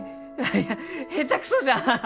いや下手くそじゃ！